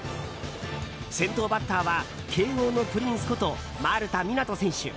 先頭バッターは慶應のプリンスこと丸田湊斗選手。